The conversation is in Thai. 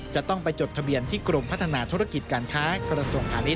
จะต้องไปจดทะเบียนที่กรมพัฒนาธุรกิจการค้ากระทรวงพาณิช